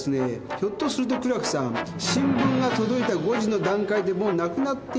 ひょっとすると苦楽さん新聞が届いた５時の段階でもう亡くなっていた可能性も。